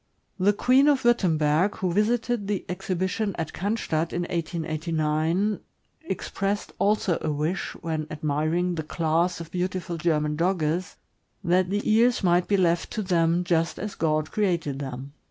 The Queen of Wurtemberg, who visited the exhibition at Cannstadt, in 1889, expressed also a wish, when admiring the class of beautiful German Dogges, that the ears might be left to them just as God created them.